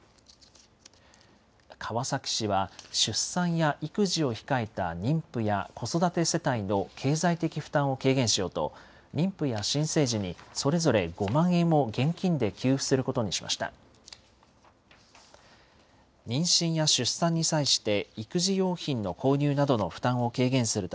川崎市は、出産や育児を控えた妊婦や子育て世帯の経済的負担を軽減しようと、妊婦や新生児にそれぞれ５万円を現金で給付することにしました。